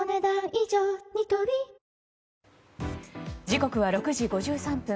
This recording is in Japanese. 時刻は６時５３分。